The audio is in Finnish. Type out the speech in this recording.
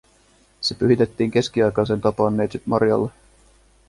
Se pyhitettiin keskiaikaiseen tapaan Neitsyt Marialle